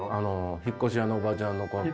引っ越し屋のおばちゃんのコント。